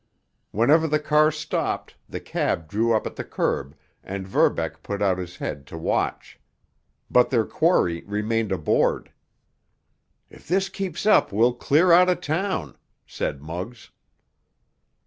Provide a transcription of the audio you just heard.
Whenever the car stopped, the cab drew up at the curb, and Verbeck put out his head to watch. But their quarry remained aboard. "If this keeps up we'll clear out of town," said Muggs.